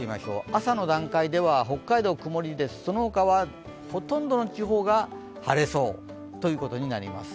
朝の段階では北海道、曇りで、その他はほとんどの地方が晴れそうということになります。